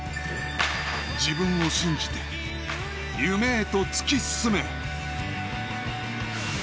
自分を信じて、夢へと突き進め。